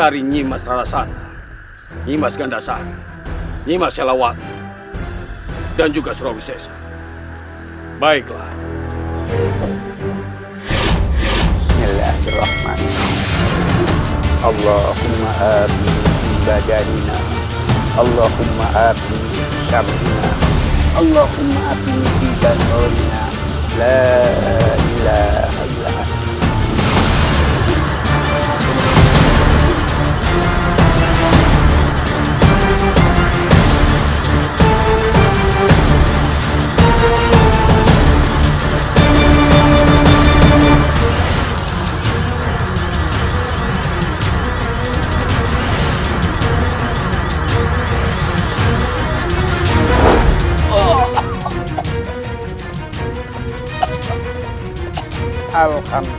biar aku saja yang menghadapi mereka